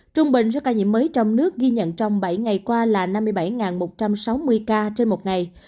trung bình số ca nhiễm mới trong nước ghi nhận trong bảy ngày qua là năm mươi bảy một trăm sáu mươi ca trên một ngày